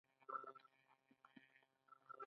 پرانېست.